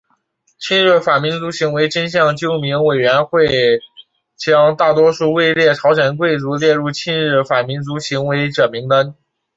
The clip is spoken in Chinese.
亲日反民族行为真相纠明委员会将大多数位列朝鲜贵族者列入亲日反民族行为者名单。